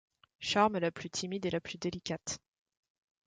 Charme la plus timide et la plus délicate.